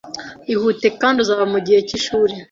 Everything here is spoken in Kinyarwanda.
Ihute, kandi uzaba mugihe cyishuri